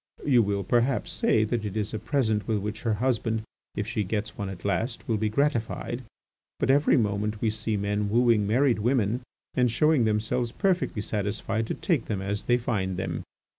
You will, perhaps, say that it is a present with which her husband, if she gets one at last, will be gratified; but every moment we see men wooing married women and showing themselves perfectly satisfied to take them as they find them.